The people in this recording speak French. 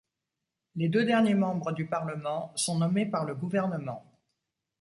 Les deux derniers membres du parlement sont nommés par le gouvernement.